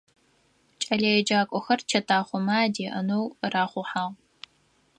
Кӏэлэеджакӏохэр чэтахъомэ адеӏэнэу рахъухьагъ.